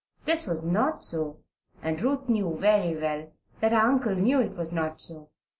This was not so, and Ruth knew very well that her uncle knew it was not so.